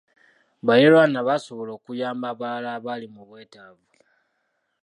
Baliraanwa basobola okuyamba abalala abali mu bwetaavu.